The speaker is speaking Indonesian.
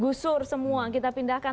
gusur semua kita pindahkan